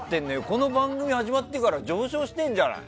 この番組が始まってから上昇してるんじゃない？